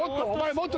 もっと。